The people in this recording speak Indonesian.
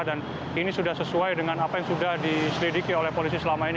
dan ini sudah sesuai dengan apa yang sudah diselidiki oleh polisi selama ini